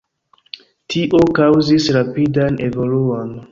Tio kaŭzis rapidan evoluon.